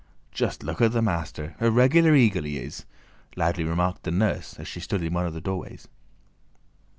"Just look at the master! A regular eagle he is!" loudly remarked the nurse, as she stood in one of the doorways.